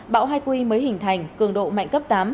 bão haikui mới hình thành cường độ mạnh cấp tám